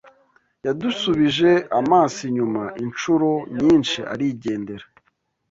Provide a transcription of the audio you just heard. Yadusubije amaso inyuma inshuro nyinshi arigendera